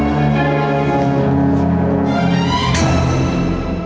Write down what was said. m postingnya berbenturan